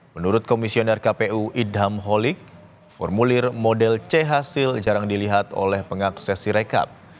menurut komisioner kpu idam holik formulir model c hasil jarang dilihat oleh pengakses sirekap